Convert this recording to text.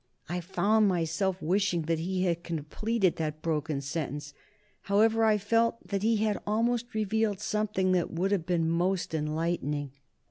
I found myself wishing that he had completed that broken sentence, however; I felt that he had almost revealed something that would have been most enlightening.